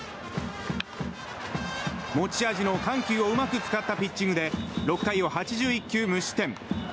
持ち味の緩急をうまく使ったピッチングで６回を８１球無失点。